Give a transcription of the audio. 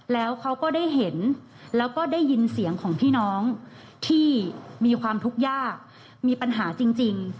แล้วเขาก็ได้เห็นแล้วก็ได้ยินเสียงของพี่น้องที่มีความทุกข์ยากมีปัญหาจริง